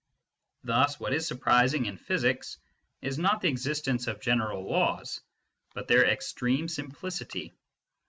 Thus what is surprising in physics is not the existence of general laws, but their extreme simplicity.